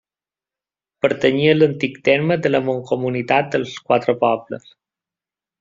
Pertanyia a l'antic terme de la Mancomunitat dels Quatre Pobles.